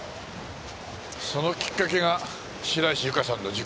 そのきっかけが白石ゆかさんの事故。